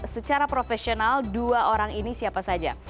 secara profesional dua orang ini siapa saja